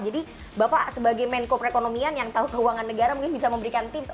jadi bapak sebagai menko perekonomian yang tahu keuangan negara mungkin bisa memberikan tips